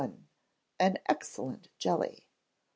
An Excellent Jelly.